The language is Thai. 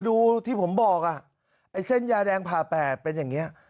ดูที่ผมบอกอ่ะไอ้เส้นยาแดงผ่าแปดเป็นอย่างนี้